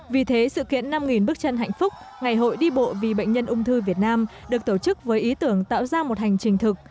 vì thế sự kiện năm bước chân hạnh phúc ngày hội đi bộ vì bệnh nhân ung thư việt nam được tổ chức với ý tưởng tạo ra một hành trình thực